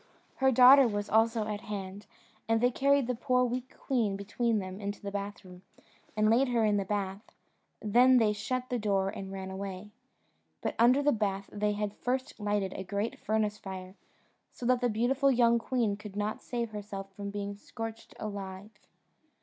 Her daughter was also at hand, and they carried the poor weak queen between them into the bathroom, and laid her in the bath: then they shut the door and ran away. But under the bath they had first lighted a great furnace fire, so that the beautiful young queen could not save herself from being scorched alive.